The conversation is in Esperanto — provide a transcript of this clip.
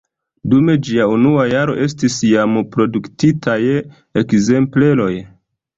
Dum ĝia unua jaro estis jam produktitaj ekzempleroj.